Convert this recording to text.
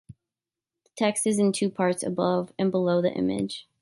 The text is in two parts, above and below the image.